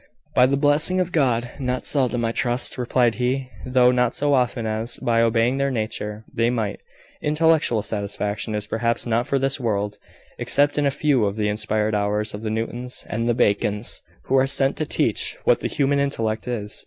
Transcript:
"By the blessing of God, not seldom, I trust," replied he; "though not so often as, by obeying their nature, they might. Intellectual satisfaction is perhaps not for this world, except in a few of the inspired hours of the Newtons and the Bacons, who are sent to teach what the human intellect is.